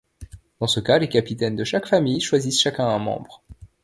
Dans ce cas, les capitaines de chaque famille choisissent chacun un membre.